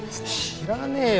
知らねえよ